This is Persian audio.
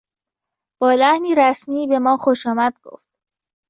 با لحنی رسمی به ما خوشامد گفت.